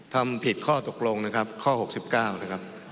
ทำผิดข้อตกลงนะครับข้อ๖๙นะครับ